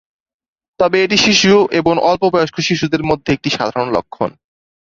তবে এটি শিশু এবং অল্প বয়স্ক শিশুদের মধ্যে এটি সাধারণ লক্ষণ।